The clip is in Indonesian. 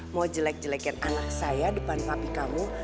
mau jelek jelekin anak saya depan papi kamu